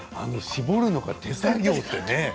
絞るのが手作業ってね。